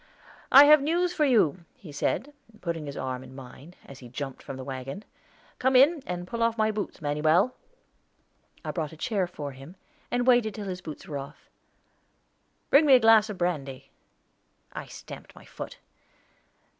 "I have some news for you," he said, putting his arm in mine, as he jumped from the wagon. "Come in, and pull off my boots, Manuel." I brought a chair for him, and waited till his boots were off. "Bring me a glass of brandy." I stamped my foot.